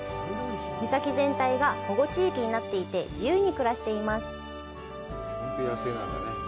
岬全体が保護地域になっていて、自由に暮らしています。